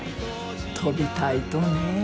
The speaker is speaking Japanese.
飛びたいとね。